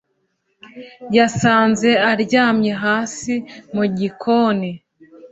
yasanze aryamye hasi mu gikoni